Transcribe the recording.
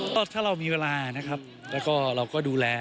ก็มีเวลานะครับแล้วก็เราก็ดูแล